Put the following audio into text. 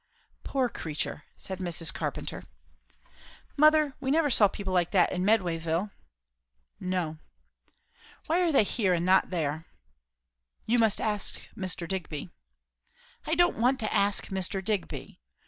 "Poor creature!" said Mrs. Carpenter. "Mother, we never saw people like that in Medwayville." "No." "Why are they here, and not there?" "You must ask Mr. Digby." "I don't want to ask Mr. Digby!